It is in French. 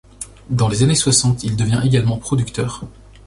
Dans les années soixante il devient également producteur.